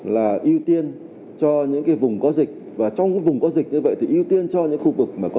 là ưu tiên cho những cái vùng có dịch và trong những vùng có dịch như vậy thì ưu tiên cho những khu vực mà có